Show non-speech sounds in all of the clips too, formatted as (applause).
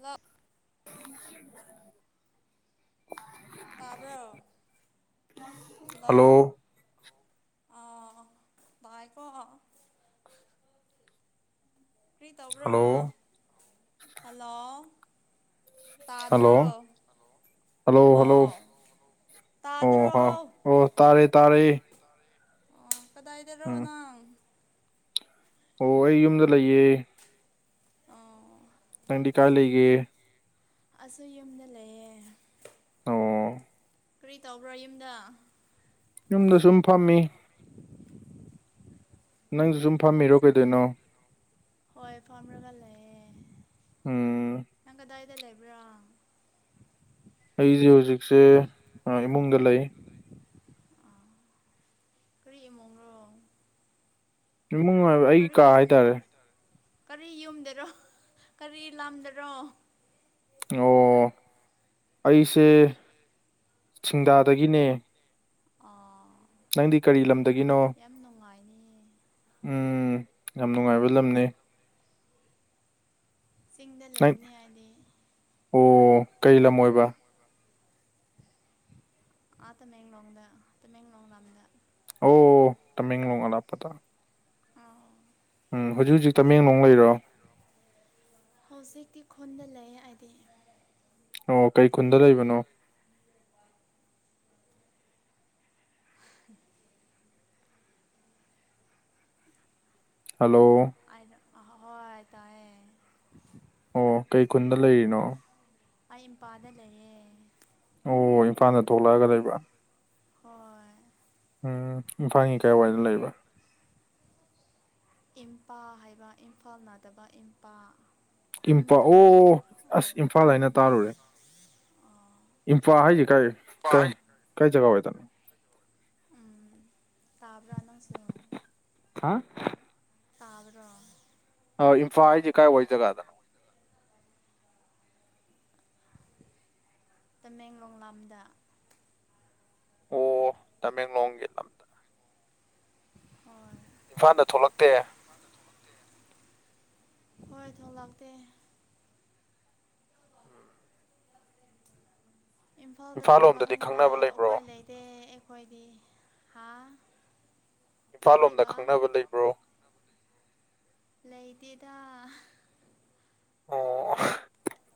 ꯂ (unintelligible) ꯇꯥꯕ꯭ꯔꯣ ꯂ ꯍꯜꯂꯣ ꯑꯥ ꯚꯥꯏꯀꯣ ꯀꯔꯤꯇꯕ꯭ꯔꯣ ꯍꯜꯂꯣ ꯍꯜꯂꯣ ꯍꯂꯣ ꯇꯥꯗ꯭ꯔꯣ ꯍꯂꯣ ꯍꯜꯂꯣ ꯑꯣ ꯑꯣ ꯍ ꯇꯥꯗ꯭ꯔꯣ ꯑꯣ ꯇꯥꯔꯦ ꯇꯥꯔꯦ ꯑꯣ ꯀꯗꯥꯏꯗꯔꯣ ꯎꯝ ꯅꯪ ꯑꯣ ꯑꯩ ꯌꯨꯝꯗ ꯂꯩꯌꯦ ꯑꯣ ꯀꯗꯤ ꯀꯥꯂꯒꯦ ꯑꯁꯨ ꯌꯨꯝꯗ ꯂꯩꯌꯦꯦ ꯑꯣ ꯀꯔꯤ ꯇꯧꯕ꯭ꯔꯣ ꯌꯨꯝꯗ ꯌꯨꯝꯗ ꯁꯨꯝ ꯐꯝꯃꯤ ꯅꯪꯁꯨ ꯁꯨꯝ ꯐꯝꯃꯤꯔꯣ ꯀꯩꯗꯣꯏꯅꯣ ꯍꯣꯏ ꯐꯂꯦ ꯎꯝ ꯑꯗꯨꯗ ꯂꯩꯕ꯭ꯔꯥ ꯑꯩꯁꯦ ꯍꯧꯖꯤꯛꯁꯦ ꯏꯃꯨꯡꯗ ꯂꯩ ꯀꯔꯤ ꯏꯃꯨꯡꯅꯣ ꯏꯃꯨꯡ ꯑꯣꯏꯕ ꯑꯩꯒꯤ ꯀꯥ ꯍꯥꯏꯇꯥꯔꯦ ꯀꯔꯤ ꯌꯨꯝꯗꯔꯣ ꯀꯔꯤ ꯂꯝꯥꯝꯗꯔꯣ ꯑꯣ ꯑꯩꯁꯦ ꯁꯤꯡꯗꯥꯗꯒꯤꯅꯦ ꯑ ꯅꯪꯗꯤ ꯀꯔꯤ ꯂꯝꯗꯒꯤꯅꯣ ꯅꯨꯡꯉꯥꯏꯅꯤꯌꯦ ꯎꯝ ꯌꯥꯝ ꯅꯨꯡꯉꯥꯏꯕ ꯂꯝꯅꯤ ꯆꯤꯡꯗ ꯂꯩꯕꯅꯤ ꯍꯥꯏꯗꯤ ꯑꯣ ꯀꯩ ꯂꯝꯣꯏꯕ ꯑꯇꯃꯦꯡꯂ ꯋꯥꯗ ꯑꯇꯩꯃꯦꯡꯂꯣꯉ ꯂꯝꯗ ꯑꯣ ꯇꯃꯤ ꯂꯣꯡꯒ ꯂ ꯄꯇꯥ ꯑꯥꯎ ꯝ ꯍꯧꯖꯤꯛ ꯍꯧꯖꯤꯛ ꯇꯃꯦꯡꯂꯣꯡ ꯂꯩꯔꯣ ꯍꯧꯖꯤꯛꯇꯤ ꯈꯨꯟꯗ ꯂꯩ ꯍꯥꯏꯗꯤ ꯑꯣ ꯀꯩ ꯈꯨꯨꯟꯗ ꯂꯩꯕꯅꯣ ꯎꯝ ꯍꯜꯂꯣ ꯑꯩꯗ ꯍꯣꯏ ꯇꯌꯦꯦ ꯑꯣ ꯀꯩ ꯀꯨꯟꯗ ꯂꯩꯔꯤꯅꯣ ꯑꯩ ꯄꯥꯗ ꯂꯩꯌꯦꯦ ꯑꯣ ꯏꯝꯐꯥꯜꯗ ꯊꯣꯛꯂꯛꯑꯒ ꯂꯩꯕ꯭ꯔꯥ (inaudible) ꯍꯣꯏ ꯏꯝꯄꯥ ꯍꯥꯏꯕ ꯏꯝꯐꯥꯜ ꯅꯥꯗꯕ ꯏꯝꯄꯥ ꯏꯝꯄꯥ ꯈꯨꯟꯒꯤ ꯑꯣ ꯃꯤꯡ ꯑꯣ ꯑꯁ ꯏꯝꯐꯥꯜ ꯈꯨꯟꯒꯤ ꯍꯥꯏꯅ ꯃꯤꯡ ꯇꯥꯔꯨꯔꯦ ꯑꯣ ꯏꯝꯐꯥꯜ ꯍꯥꯏꯁꯦ ꯀꯥꯏ ꯀꯥꯏ ꯀꯥꯏ ꯖꯒꯥ ꯑꯣꯏ ꯇꯅꯤ ꯇꯥꯕ꯭ꯔ ꯅꯁꯤ ꯍꯥ ꯇꯕꯗꯣ ꯏꯝꯐꯥꯜ ꯍꯥꯏꯁꯤꯦ ꯀꯥꯏ ꯋꯥꯏ ꯖꯒꯥꯗꯅꯣ ꯇꯃꯦꯡꯂꯣꯡꯡꯂꯥꯝꯗ ꯑꯣ ꯇꯃꯦꯡꯂꯣꯡꯒꯤ ꯂꯝꯗ ꯍꯣꯏ ꯏꯝꯐꯥꯜꯗ ꯊꯣꯛꯂꯛꯇꯦ ꯍꯣꯏ ꯊꯣꯛꯣꯡꯂꯛꯇꯇꯦ ꯎꯝ ꯏꯝꯐꯥꯜꯗ ꯏꯝꯐꯥꯜ ꯂꯣꯝꯗꯗꯤ ꯈꯪꯅꯕ ꯊꯣꯂꯛꯅꯤꯉꯥꯏ ꯂꯩꯕ꯭ꯔꯣ ꯎꯄꯥꯏ ꯂꯩꯇꯦ ꯑꯩꯈꯣꯏꯗꯤ ꯍꯥ ꯏꯝꯐꯥꯜ ꯂꯣꯝꯗ ꯀꯔꯤꯕ ꯈꯪꯅꯕ ꯂꯩꯕ꯭ꯔꯣ ꯑꯗꯨꯦꯗ ꯑꯣ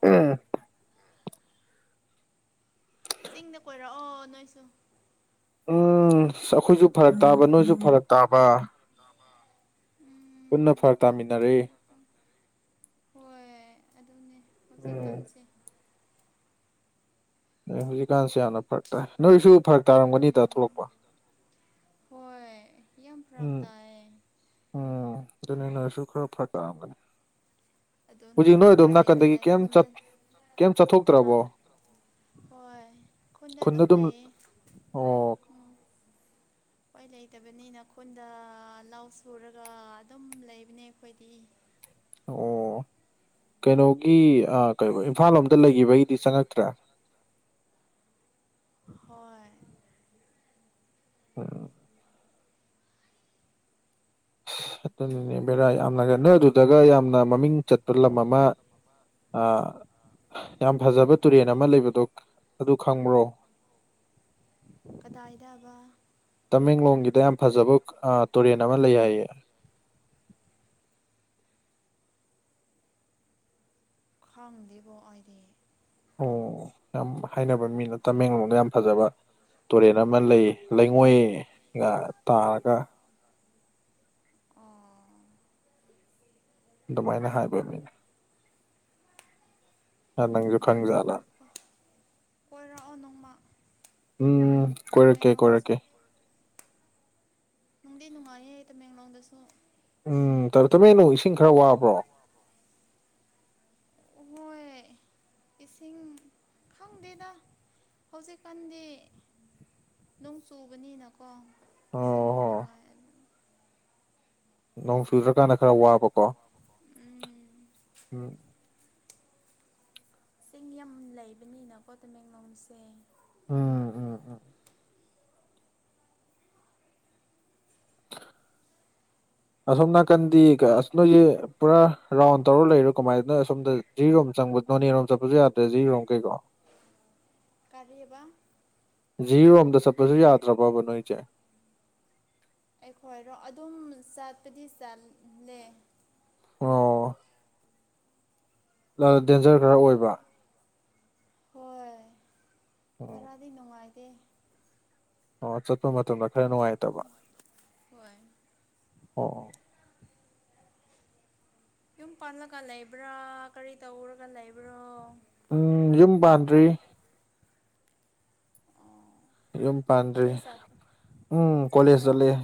ꯎꯝ ꯆꯤꯡꯗ ꯀꯣꯏꯔꯛꯑꯣ ꯅꯣꯏꯁꯨ ꯎꯝ ꯑꯩꯈꯣꯏꯁꯨ ꯐꯔꯛ ꯇꯥꯕ ꯅꯣꯏꯁꯨ ꯐꯔ ꯇꯥꯕ ꯄꯨꯟꯅ ꯐꯔꯛ ꯎꯝ ꯇꯥꯃꯤꯟꯅꯔꯦ ꯍꯣꯏ ꯑꯗꯨꯅꯦ ꯍꯧꯖꯤꯛ ꯑꯗꯩ ꯀꯟꯁꯦ ꯦ ꯀꯁꯤꯦ ꯑꯅ ꯄꯔꯇꯥ ꯅꯣꯏꯁꯨ ꯊꯥꯛ ꯇꯥꯔꯝꯒꯅꯤꯗ ꯎꯝ ꯊꯣꯛꯂꯛꯄ ꯍꯣꯏ ꯌꯥꯝ ꯄ꯭ꯔꯥꯥꯛꯛꯇ ꯍꯥꯏ ꯑꯗꯨꯅꯤ ꯅꯣꯏꯁꯨ ꯈꯔ ꯐꯇꯥꯑꯒꯅꯤ ꯍꯧꯖꯤꯛ ꯑꯗꯨꯅꯤꯅ ꯅꯣꯏ ꯑꯗꯣꯝ ꯎꯄꯥꯏ ꯅꯥꯀꯟꯗꯒꯤ ꯂꯩꯇꯅ ꯈꯨꯟꯗ ꯀꯩꯝ ꯍꯥ ꯆꯠꯊꯣꯛꯇ꯭ꯔꯕꯣ ꯍꯣꯏ ꯈꯟꯗ ꯑꯗꯨꯝ ꯂꯩꯏꯌꯦ ꯑꯣ ꯎ ꯍꯣꯏ ꯂꯩꯇꯕꯅꯤꯅ ꯈꯨꯟꯗ ꯂꯧ ꯁꯨꯔꯒ ꯑꯗꯨꯝ ꯂꯩꯕꯅꯦ ꯑꯩꯈꯣꯏꯗꯤ ꯑꯣ ꯀꯩꯅꯣꯒꯤ ꯏꯝꯐꯥꯜ ꯂꯣꯝꯗ ꯂꯩꯈꯤꯕꯒꯤꯗꯤ ꯆꯪꯉꯛꯇ꯭ꯔꯦ (inaudible) ꯍꯣꯏ ꯎꯝ ꯅꯤꯅꯦ ꯕꯔꯥ ꯌꯥꯝꯅꯦ ꯅꯣꯏ ꯑꯗꯨꯗꯒ ꯌꯥꯝ ꯃꯃꯤꯡ ꯆꯠꯄ ꯂꯝ ꯑꯃ ꯌꯥꯝ ꯐꯖꯕ ꯇꯨꯔꯦꯟ ꯑꯃ ꯂꯩꯕꯗꯣ ꯑꯗꯨ ꯈꯪꯕ꯭ꯔꯣ ꯀꯗꯥ ꯏꯗꯕ ꯇꯃꯦꯡꯂꯣꯡꯒꯤꯗ ꯌꯥꯝ ꯐꯖꯕ ꯇꯨꯔꯦꯟ ꯑꯃ ꯂꯩ ꯍꯥꯏꯌꯦ (inaudible) ꯈꯥꯎꯗꯤꯦꯕꯣ ꯑꯗꯤ ꯑꯣ ꯌꯥꯝ ꯍꯥꯏꯅꯕ ꯃꯤꯅ ꯇꯃꯦꯡꯂꯣꯡꯗ ꯌꯥꯝ ꯐꯖꯕ ꯇꯨꯔꯦꯟ ꯑꯃ ꯂꯩ ꯂꯩꯉꯣꯏꯒ ꯇꯥꯔꯒ ꯑꯣ ꯑꯗꯨꯃꯥꯏꯅ ꯍꯥꯏꯕ ꯃꯤꯅ ꯑ ꯅꯪꯖꯣꯈꯥꯡꯖꯂ ꯈꯪꯗꯦꯕ ꯀꯣꯏꯔꯛꯑꯣ ꯎꯝ ꯃꯦꯒꯥꯥ ꯀꯣꯏꯔꯛꯀꯦ ꯍꯒ ꯁꯣ ꯀꯣꯏꯔꯛꯀꯦ ꯅꯨꯡꯗꯤ ꯅꯨꯡꯉꯥꯏꯌꯦ ꯇꯃꯦꯡꯂꯣꯡꯗꯁꯨ ꯎꯝ ꯇꯔ ꯇꯃꯦꯩꯅꯣ ꯏꯁꯤꯡ ꯈꯔ ꯋꯥꯕ꯭ꯔꯣ ꯍꯣꯏ (unintelligible) ꯏꯁꯤꯡ ꯈꯪꯗꯦꯗ ꯍꯧꯖꯤꯛꯀꯥꯟꯗꯤ ꯅꯅꯨꯡ ꯁꯨꯕꯅꯤꯅ ꯑꯣ ꯍꯣ ꯅꯣꯡ ꯆꯨꯗ꯭ꯔꯀꯥꯟꯗ ꯈꯔ ꯋꯥꯕꯀꯣ ꯎꯝ ꯎꯝ ꯆꯤꯡ ꯌꯥꯝ ꯂꯩꯕꯅꯤꯅꯀꯣ ꯇꯃꯦꯡꯂꯣꯡꯁꯦ ꯎꯝ ꯎꯝ ꯎꯝ ꯑꯁꯣꯝ ꯅꯥꯀꯟꯗꯤ ꯃꯤ ꯑ ꯅꯣꯏꯁ ꯄꯨꯔꯥ ꯔꯥꯎꯟ ꯇꯧꯔ ꯂꯩꯔꯣ ꯀꯃꯥꯏꯅꯣ ꯁꯣꯝꯗ ꯖꯤꯔꯤꯔꯣꯝ ꯆꯪꯕ ꯅꯣꯅꯦꯔꯣꯝ ꯆꯠꯄꯁꯨ ꯌꯥꯗ꯭ꯔꯦ ꯖꯤꯔꯤꯔꯣꯝ ꯀꯩꯀꯣ (unintelligible) ꯀꯔꯤꯕ ꯖꯤꯔꯣꯝꯗ ꯆꯠꯄꯁꯨ ꯌꯥꯗ꯭ꯔꯕꯣꯕ ꯅꯣꯏꯁꯦ ꯑꯩꯈꯣꯏꯔꯣ ꯑꯗꯨꯝ ꯆꯠꯄꯗꯤ ꯆꯠꯂꯦ ꯑꯣ ꯗꯦꯟꯖꯔ ꯈꯔ ꯑꯣꯏꯕ ꯍꯣꯏ ꯑꯣ ꯈꯔꯗꯤ ꯅꯨꯡꯉꯥꯏꯇꯦ ꯑꯣ ꯆꯠꯄ ꯃꯇꯝꯗ ꯈꯔ ꯅꯨꯡꯉꯥꯏꯇꯕ ꯍꯣꯏ ꯑꯣ ꯌꯨꯝ ꯄꯜꯂꯒ ꯂꯩꯕ꯭ꯔꯥ ꯀꯔꯤ ꯇꯧꯔꯒ ꯂꯩꯕ꯭ꯔꯣ ꯎꯝ ꯌꯨꯝ ꯄꯥꯟꯗ꯭ꯔꯤ ꯑꯣ ꯌꯨꯝ ꯄꯥꯟꯗ꯭ꯔꯤ ꯀꯣꯂꯦꯖ ꯆꯠ ꯎꯝ ꯀꯣꯂꯦꯖ ꯀꯣꯂꯦꯖꯇ ꯆꯠꯄ꯭ꯔꯥ ꯂꯩ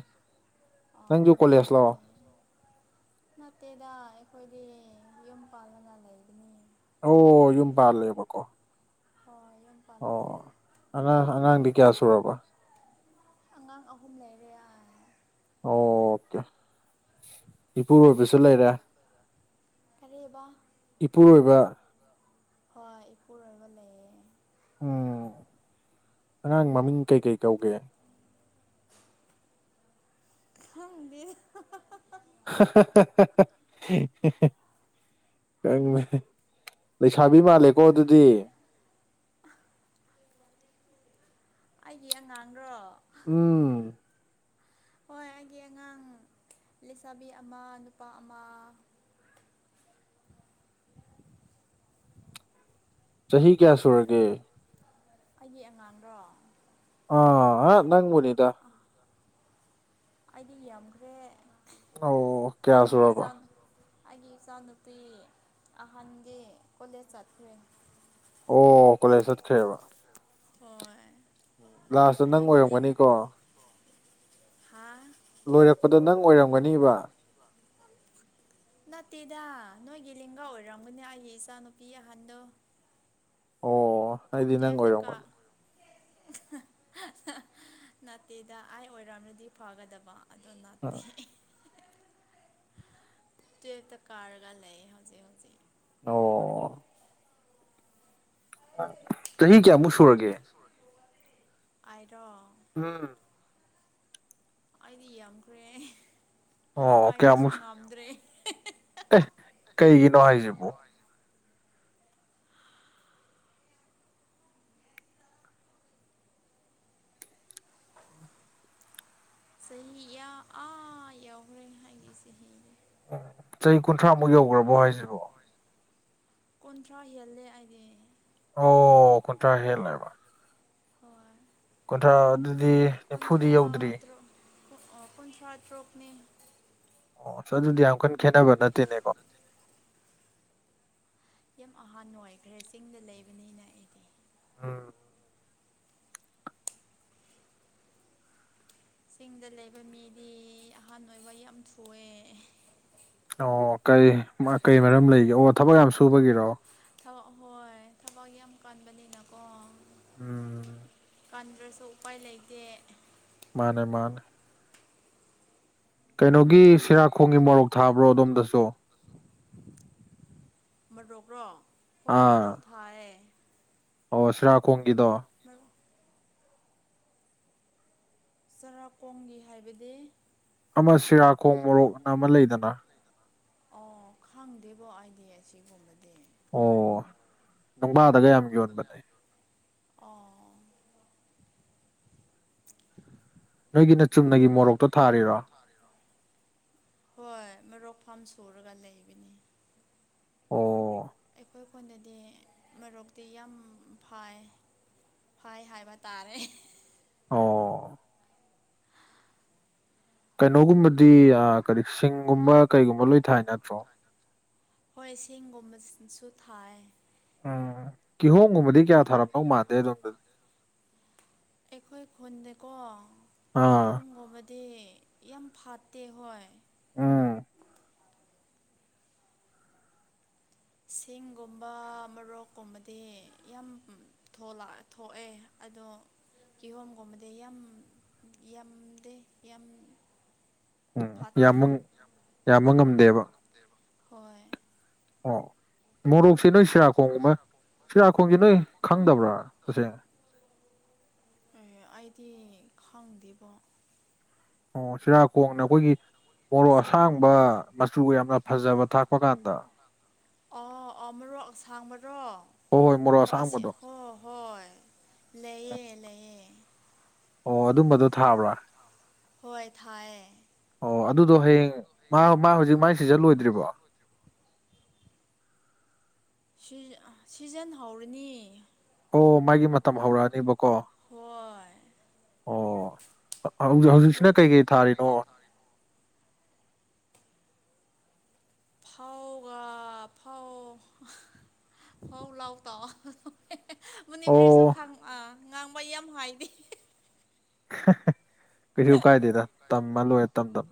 ꯑꯥ ꯅꯪꯖꯨ ꯀꯣꯂꯦꯖꯂꯣ ꯅꯨꯡꯉꯥꯏꯅꯦ ꯅꯠꯇꯦꯗ ꯑꯩꯈꯣꯏꯗꯤ ꯌꯨꯝ ꯄꯥꯜꯂꯅ ꯂꯩꯒꯅꯤ ꯑꯣ ꯌꯨꯝ ꯄꯥꯜꯂꯦꯕꯀꯣ ꯍꯣꯏ ꯌꯨꯝ ꯄꯥꯜꯂꯦ ꯑꯣ ꯑꯥꯡ ꯑꯉꯥꯡꯗꯤ ꯀꯌꯥ ꯁꯨꯔꯕ ꯑꯉꯥꯡ ꯑꯍꯨꯝ ꯂꯩꯔꯦ ꯑꯣꯀꯦ ꯏꯄꯨꯔꯣꯏꯕꯁꯨ ꯂꯩꯔꯦ ꯀꯔꯤꯕ ꯏꯄꯨꯔꯣꯏꯕ ꯍ ꯏꯨꯔ ꯑꯣꯏ ꯂꯩꯌꯦꯦ ꯎꯝ ꯑꯉꯥꯡ ꯃꯃꯤꯡ ꯀꯩꯀꯩ ꯀꯧꯒꯦ ꯈꯪꯗ (unintelligible) ꯀꯪ ꯂꯩꯁꯥꯕꯤ ꯃꯥꯂꯦ ꯀꯗꯤ ꯑꯩꯒꯤ ꯑꯉꯥꯡꯔꯣ ꯎꯝ ꯍꯣꯏ ꯑꯩꯒꯤ ꯑꯉꯥꯡ ꯂꯩꯁꯥꯕꯤ ꯑꯃ ꯅꯨꯄꯥ ꯑꯃ (unintelligible) ꯆꯍꯤ ꯀꯌꯥ ꯁꯨꯔꯒꯦ ꯑꯩꯒꯤ ꯑꯉꯥꯡꯔꯣ ꯑꯥ ꯑ ꯅꯪ ꯃꯅꯤꯗ ꯑꯩꯗꯤ ꯌꯥꯝꯈ꯭ꯔꯦ ꯑꯣ ꯑꯩꯒꯤ ꯀꯌꯥꯁꯨꯣ ꯔꯔꯕ ꯏꯆꯥ ꯑꯩꯒꯤ ꯏꯆꯥꯅꯨꯄꯤ ꯑꯍꯟꯒꯤ ꯀꯣꯂꯦꯖ ꯆꯠꯈ꯭ꯔꯦ ꯑꯣ ꯀꯣꯂꯦꯖ ꯆꯠꯈ꯭ꯔꯦꯕ ꯍꯣꯏ ꯎ ꯂꯥꯁꯇ ꯅꯪ ꯅꯣꯏꯒꯤ ꯂꯦꯡ ꯑꯣꯏꯔꯝꯒꯅꯤꯀꯣ ꯍꯥ ꯂꯣꯏꯔꯛꯄꯗ ꯅꯪ ꯑꯣꯏꯔꯝꯒꯅꯤꯕ ꯅꯠꯇꯦꯗ ꯅꯣꯏꯒꯤ ꯂꯦꯡꯒꯥ ꯑꯣꯏꯔꯝꯒꯅꯦ ꯑꯩꯒꯤ ꯏꯆꯥꯅꯨꯄꯤ ꯑꯍꯟꯗꯣ ꯑꯣ ꯑꯩꯗꯤ ꯅꯪ ꯑꯣꯏꯔꯣꯒꯗ ꯅꯥꯠꯇꯦꯗ ꯑꯩ ꯑꯣꯏꯔꯝꯅꯗꯤ ꯐꯒꯗꯕ ꯑꯗꯣ ꯅꯠꯇꯦ ꯑ ꯇ ꯇ ꯀꯥꯔꯒ ꯂꯩ ꯍꯧꯖꯤꯛ ꯍꯧꯖꯤ ꯑꯣ ꯆꯍꯤ ꯀꯌꯥꯃꯨꯛ ꯁꯨꯔꯒꯦ ꯑꯔꯣ ꯎꯝ ꯑꯩꯗꯤ ꯌꯥꯝꯈ꯭ꯔꯦ ꯑꯣ ꯍꯥꯏꯕꯁꯨ ꯀꯌꯥꯃꯨꯛ ꯉꯝꯗ꯭ꯔꯦ ꯑꯦ ꯀꯩꯒꯤꯅꯣ ꯍꯥꯏꯁꯤꯕꯣ ꯁ ꯑ ꯑꯥ ꯌꯥꯎꯈ꯭ꯔꯦꯅꯦ ꯍꯥꯏꯒꯤꯦ ꯁꯅꯦ ꯆꯍꯤ ꯀꯨꯟꯊ꯭ꯔꯥꯃꯨꯛ ꯌꯧꯈ꯭ꯔꯕꯣ ꯍꯥꯏꯁꯤꯕꯣ ꯀꯨꯟꯊ꯭ꯔꯥ ꯍꯦꯜꯂꯦ ꯍꯥꯏꯗꯤ ꯑꯣ ꯀꯣꯠꯇ ꯍꯦꯜꯂꯥꯏꯕ ꯍꯣꯏ ꯀꯨꯟꯊ꯭ꯔꯥ ꯑꯗꯨꯗꯤ ꯅꯤꯐꯨꯗꯤ ꯌꯧꯗ꯭ꯔꯤ ꯄꯨꯟꯁꯥꯠ ꯔꯣꯄꯅꯤ ꯑꯣ ꯑꯗꯨꯗꯤ ꯌꯥꯝ ꯀꯟꯅ ꯈꯦꯠꯅꯕ ꯅꯠꯇꯦꯅꯦꯀꯣ ꯌꯥꯝ ꯑꯍꯥꯟꯥꯟꯕ ꯑꯣꯏꯈꯔꯦ ꯆꯤꯡꯗ ꯂꯩꯕꯅꯤꯅ ꯑꯩꯗꯤ ꯑꯥ ꯆꯤꯡꯗ ꯂꯩꯕ ꯃꯤꯗꯤ ꯑꯍꯥꯟ ꯑꯣꯏꯕ ꯌꯥꯝ ꯊꯣꯛꯑꯦ ꯑꯣ ꯀꯩ ꯀꯩ ꯃꯔꯝ ꯂꯩꯒꯦ ꯑꯣ ꯊꯕꯛ ꯌꯥꯝ ꯁꯨꯕꯒꯤꯔꯣ ꯊꯕ ꯍꯣꯏ ꯊꯕꯛ ꯌꯥꯝ ꯀꯥꯟꯕꯅꯤꯅꯀꯣ ꯎꯝ ꯀꯥꯟꯗ꯭ꯔꯁꯨ ꯎꯄꯥꯏ ꯂꯩꯇꯦ ꯃꯥꯅꯦ ꯃꯥꯅꯦ ꯀꯩꯅꯣꯒꯤ ꯁꯤꯔꯥꯈꯣꯡꯒꯤ ꯃꯣꯔꯣꯛ ꯊꯥꯕ꯭ꯔꯣ ꯑꯗꯣꯝꯗꯁꯨ ꯃꯔꯣꯛꯔꯣ ꯍꯣꯏ ꯑꯥ ꯃꯔꯣꯛ ꯐꯥꯌꯦ ꯑꯣ ꯁꯔꯥꯈꯣꯡꯒꯤꯗꯣ ꯃꯔꯣꯛ ꯆꯔꯥꯛꯀꯣꯡꯒꯤ ꯍꯥꯏꯕꯗꯤ ꯑꯃ ꯁꯤꯔꯥꯈꯣꯡ ꯃꯣꯔꯣꯛꯅ ꯑꯃ ꯂꯩꯗꯅ ꯑꯣ ꯈꯪꯗꯦꯕꯣ ꯑꯩꯗꯤ ꯑꯁꯤꯒꯨꯝꯕꯗꯤ ꯑꯣ ꯅꯨꯡꯕꯥꯗꯒ ꯌꯥꯝ ꯌꯣꯟꯕꯅꯦ ꯑꯣ (inaudible) ꯅꯣꯏꯒꯤꯅ ꯆꯨꯝꯅꯒꯤ ꯃꯔꯣꯛ ꯃꯣꯔꯣꯛꯇ ꯊꯥꯔꯤꯔꯣ ꯆꯣꯔꯒ ꯂꯩꯕꯅꯤ ꯑꯣ ꯑꯩꯈꯣꯏ ꯀꯣꯟꯗꯗꯤ ꯃꯔꯣꯛꯇꯤ ꯌꯥꯝ ꯐꯥꯏ ꯐꯣꯏ ꯍꯥꯏꯕ ꯇꯥꯔꯦ ꯑꯣ ꯀꯩꯅꯣꯒꯨꯝꯕꯗꯤ ꯀꯔꯤ ꯁꯤꯡꯒꯨꯝꯕ ꯀꯩꯒꯨꯝꯕ ꯂꯣꯏ ꯊꯥꯏ ꯅꯠꯇ꯭ꯔꯣ ꯍꯣꯏ ꯆꯦꯡꯒꯨꯝꯕꯁꯨ ꯊꯥꯏ ꯎꯝ ꯀꯤꯍꯣꯝꯒꯨꯝꯕꯗꯤ ꯀꯌꯥ ꯊꯥꯔꯛꯄꯧ ꯃꯥꯦ ꯑꯩꯈꯣꯏ ꯈꯣꯟꯗ ꯑꯥ ꯀꯤꯍꯣꯝꯒꯨꯝꯕꯗꯤ ꯌꯥꯝ ꯐꯠꯇꯦ ꯍꯣꯏ ꯎꯝ ꯁꯤꯡꯒꯨꯝꯕ ꯃꯣꯔꯣꯛꯀꯨꯝꯕꯗꯤ ꯌꯥꯝ ꯊꯣꯛꯑꯦ ꯑꯗꯣ ꯀꯤꯍꯣꯝꯒꯨꯝꯕꯗꯤ ꯌꯥꯝ ꯌꯥꯝꯗꯦ ꯌꯥꯝ ꯎꯝ ꯐꯠꯇꯦ ꯌꯥꯝꯕ ꯌꯥꯝꯕ ꯉꯝꯗꯦꯕ ꯍꯣꯏ ꯑꯣ ꯃꯔꯨ ꯁꯤ ꯅꯣꯏ ꯁꯤꯔꯥꯈꯣꯡꯒꯨꯝꯕ ꯁꯤꯔꯥꯈꯣꯡꯁ ꯅꯣꯏ ꯈꯪꯗꯕ꯭ꯔꯥ ꯇꯁꯦꯡꯅ (inaudible) ꯇꯤ ꯈꯪꯗꯦꯕꯣ ꯑꯣ ꯁꯤꯔ ꯀꯣꯡꯅ ꯑꯈꯣꯏꯒꯤ ꯃꯣꯔꯣꯛ ꯑꯁꯥꯡꯕ ꯁꯤꯔꯀꯣ ꯃꯆꯨ ꯌꯥꯝꯅ ꯐꯖꯕ ꯊꯥꯛꯄ ꯀꯥꯟꯗ ꯑ-ꯑ- ꯃꯔꯣꯛ ꯑꯁꯥꯡꯕꯔꯣ ꯍꯣꯏ ꯍꯣꯏ ꯃꯣꯔꯣꯛ ꯍ-ꯑꯁꯤ ꯑꯁꯥꯡꯕꯗꯣ ꯍꯣ-ꯍꯣꯏ ꯂꯩꯑꯌꯦ ꯂꯩꯌꯦ ꯑꯣ ꯑꯗꯨꯝꯕꯗꯣ ꯊꯥꯕ꯭ꯔꯥ ꯍꯣꯏ ꯊꯥꯏ ꯌꯦ ꯑꯣ ꯑꯗꯨꯗꯣ ꯍꯌꯦꯡ ꯃꯥ- ꯃꯥ- ꯍꯧꯖꯤꯛ ꯃꯥꯏ ꯁꯤꯖꯜ ꯂꯣꯏꯗ꯭ꯔꯤꯕꯣ ꯁꯤꯖ- ꯑ- ꯁꯤꯖꯟ ꯍꯧꯔꯅꯤ ꯑꯣ ꯃꯥꯒꯤ ꯃꯇꯝ ꯍꯧꯔꯛꯑꯅꯤꯕꯀꯣ ꯍꯣꯏ ꯍꯧꯖꯤꯛ-ꯍꯧꯖꯤꯛꯁꯤꯅ ꯃꯣꯔꯣꯛꯁꯨ ꯀꯩ-ꯀꯩ ꯊꯥꯔꯤꯅꯣ ꯐꯥꯎꯒꯥ ꯐꯥꯎ ꯐꯥꯎ ꯂꯥꯎ ꯇꯥꯎ ꯃꯅꯤꯄꯨꯔꯤꯁꯨ ꯑꯣ ꯈꯪ-ꯑꯥ ꯉꯥꯡꯕ ꯌꯥꯝ ‌ꯍꯥꯏꯗꯦ ꯀꯩꯁꯨ ꯀꯥꯏꯗꯦꯗ ꯇꯝꯃ ꯂꯣꯏꯔꯦ ꯇꯝ ꯇꯝ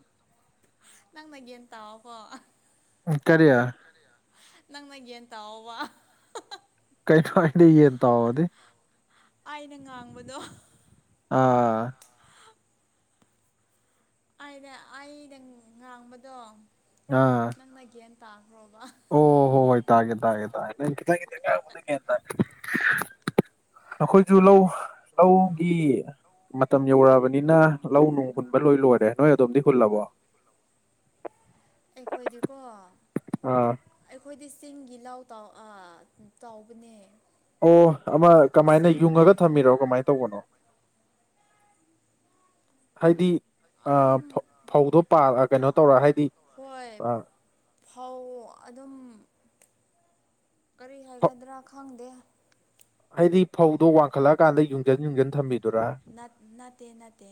ꯅꯪꯅ ꯒꯤꯌꯟ ꯇꯥꯎꯕ (unintelligible) ꯀꯥꯔꯤ ꯅꯪ ꯅ ꯒꯦꯟ ꯇ ꯑ-ꯋꯥ (unintelligible) ꯌꯦꯟ ꯇꯎ ꯑꯣ ꯗꯤ ꯑꯩꯅ ꯉꯥꯡꯕꯗꯣ ꯑꯥ ꯑꯩꯅ ꯑꯩꯅ ꯉꯥꯡꯕꯗꯣ ꯅꯪꯅ ꯒꯦꯟꯇꯥ ꯑꯣ-ꯍꯣ- ꯍꯣꯏ ꯇꯥꯒꯦ ꯇꯥꯒꯦ (inaudible) ꯅꯪ ꯈꯤꯇꯪ (inaudible) ꯑꯈꯣꯏꯁꯨ ꯂꯧ ꯂꯧꯒꯤ ꯃꯇꯝ ꯌꯧꯔꯛꯑꯕꯅꯤꯅ ꯂꯧ ꯅꯨꯡ ꯍꯨꯟꯕ ꯂꯣꯏ ꯂꯣꯏꯔꯦ ꯅꯣꯏ ꯑꯗꯣꯝꯗꯤ ꯍꯨꯜꯂꯕꯣ (inaudible) ꯑꯩꯈꯣꯏꯗꯤꯀꯣ ꯑꯥ ꯑꯩꯈꯣꯏꯗꯤ ꯆꯤꯡꯒꯤ ꯂꯥꯎ ꯇꯥꯎ ꯑꯥ ꯇꯥꯎꯕꯅꯦ ꯑꯣ ꯑꯃ ꯀꯃꯥꯏꯅ ꯌꯨꯡꯉꯒ ꯊꯝꯃꯤꯔꯣ ꯀꯃꯥꯏꯅ ꯇꯧꯕꯅꯣ ꯍꯥꯏꯗꯤ ꯑꯗꯨꯝ ꯑ-ꯐ-ꯐꯧꯗꯣꯥ ꯄ-ꯑ ꯐ ꯀꯩꯅꯣ ꯇꯧꯔ ꯍꯥꯏꯗꯤ ꯍꯣꯏ ꯑ ꯐꯧ ꯑꯗꯨꯝ ꯀꯔꯤ ꯍꯥꯏꯒꯗ꯭ꯔꯥ ꯈꯪꯗꯦ ꯍꯥꯏꯗꯤ ꯐꯧꯗꯣ ꯋꯥꯡꯈꯠꯂꯛꯑꯀꯥꯟꯗ ꯌꯨꯡꯖꯟ ꯌꯨꯡꯖꯟ ꯊꯝꯕꯤꯗꯨꯔꯥ ꯅꯠ ꯅꯠꯇꯦ ꯅꯠꯇꯦ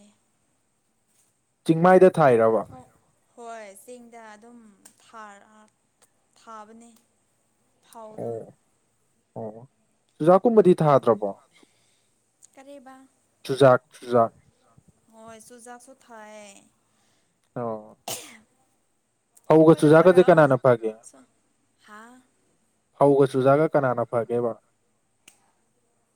ꯆꯤꯡꯃꯥꯏꯗ ꯊꯥꯏꯔꯕ ꯍꯣ ꯍꯣꯏ ꯆꯤꯡꯗ ꯑꯗꯨꯝ ꯊꯥꯔ-ꯑ ꯊꯥꯕꯅꯦ ꯊꯥꯎꯗꯣ ꯑꯣ ꯑꯣ ꯆꯨꯖꯥꯛꯀꯨꯝꯕꯗꯤ ꯊꯥꯗ꯭ꯔꯕꯣ ꯀꯔꯤꯕꯥ ꯆꯨꯖꯥꯛ ꯆꯨꯖꯥꯛ ꯍꯣꯏ ꯆꯨꯖꯥꯛꯁꯨ ꯊꯥꯏꯑꯦ ꯑꯣ ꯐꯧꯒ ꯑꯦꯈꯣꯏꯗ ꯆꯨꯖꯥꯛꯀꯁꯦ ꯀꯣꯏꯔꯛꯑꯣ ꯀꯅꯥꯅ ꯐꯒꯦ (unintelligible) ꯍꯥ ꯐꯧꯒ ꯆꯨꯖꯥꯛꯒ ꯀꯅꯥꯅ ꯐꯒꯦꯕ